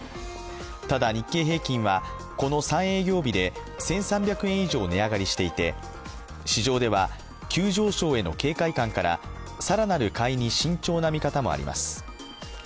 ただ、日経平均はこの３営業日で１３００円以上、値上がりしていて市場では急上昇への警戒感から更なる買いに慎重な見方もあります。